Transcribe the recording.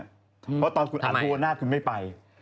ทำไมทำไมคุณสนิทหรือครั้งนั้นคุณไม่ไป